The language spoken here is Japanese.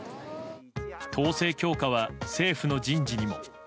統制強化は政府の人事にも。